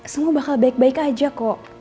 semua bakal baik baik aja kok